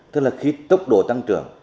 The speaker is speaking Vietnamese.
tức là khi tốc độ tăng trưởng